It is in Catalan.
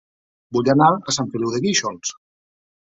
Vull anar a Sant Feliu de Guíxols